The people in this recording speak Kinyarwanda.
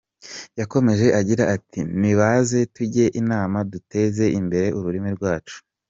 Yakomeje agira ati “ Nibaze tujye inama duteze imbere ururimi rwacu.